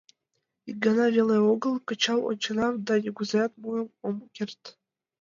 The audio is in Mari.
Ик гана веле огыл кычал онченам да нигузеат муын ом керт.